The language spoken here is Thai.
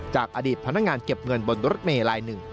จากอดีตพนักงานเก็บเงินบนรถเมย์ลายหนึ่ง